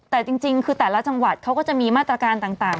แต่จริงคือแต่ละจังหวัดเขาก็จะมีมาตรการต่าง